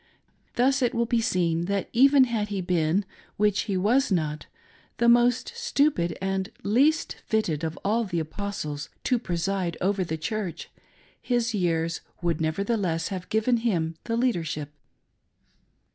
Thus it will be seen that even had he been (which he was not) the most 268 "little VIC." THREATENED BY A PROPHET. Stupid and least fitted of all the Apostles to preside over the Chui ch, his years would nevertheless have given him the leadership.